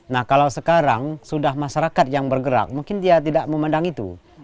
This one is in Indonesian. nah kalau sekarang sudah masyarakat yang bergerak mungkin dia tidak memandang itu